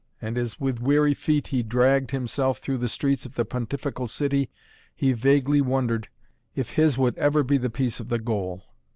And, as with weary feet he dragged himself through the streets of the pontifical city, he vaguely wondered, if his would ever be the peace of the goal.